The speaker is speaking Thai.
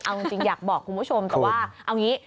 เอาจริงอยากบอกคุณผู้ชมแต่ว่าเอางี้